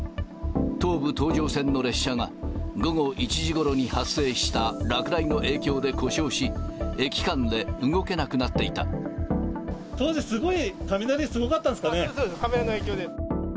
東武東上線の列車が、午後１時ごろに発生した落雷の影響で故障し、駅間で動けなくなっ当時、すごい、雷、すごかったんですかね。